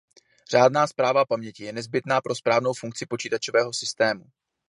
Řádná správa paměti je nezbytná pro správnou funkci počítačového systému.